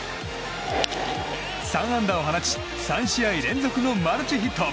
３安打を放ち３試合連続のマルチヒット！